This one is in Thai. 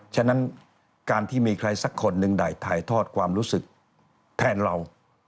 ฉะนั้นการที่มีใครสักคนหนึ่งได้ถ่ายทอดความรู้สึกแทนเรา